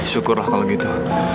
syukurlah kalau gitu